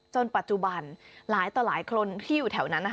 ปัจจุบันหลายต่อหลายคนที่อยู่แถวนั้น